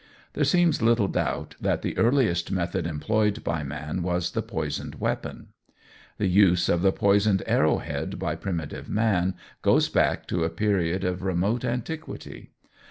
There seems little doubt that the earliest method employed by man was the poisoned weapon. The use of the poisoned arrow head by primitive man goes back to a period of remote antiquity.